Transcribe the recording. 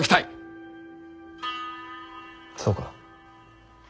そうか。